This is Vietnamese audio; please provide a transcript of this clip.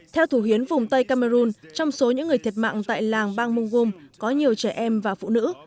theo thủ hiến vùng tây cameroon trong số những người thiệt mạng tại làng bang mungum có nhiều trẻ em và phụ nữ